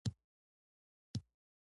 سخاوت د مال برکت زیاتوي.